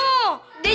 dia malah gak jepran